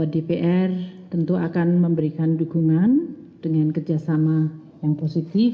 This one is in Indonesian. dpr tentu akan memberikan dukungan dengan kerjasama yang positif